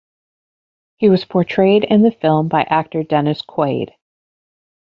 He was portrayed in the film by actor Dennis Quaid.